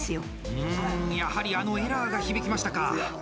うん、やはりあのエラーが響きましたか。